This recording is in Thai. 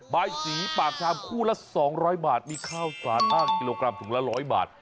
ใบสีปากชามคู่ละ๒๐๐บาทมีข้าวสารอ้างกิโลกรัมถุงละ๑๐๐บาท